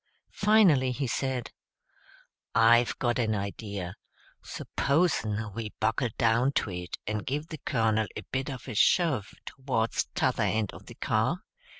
Finally he said, "I've got an idea. Suppos' n we buckle down to it and give the Colonel a bit of a shove towards t'other end of the car?